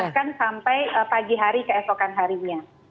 bahkan sampai pagi hari keesokan harinya